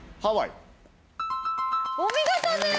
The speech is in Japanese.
お見事です！